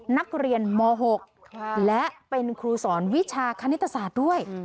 นักเรียนม๖และเป็นครูสอนวิชาคณิตศาสตร์ด้วย